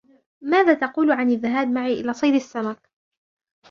ماذا تقول عن الذهاب معي إلى صيد السمك.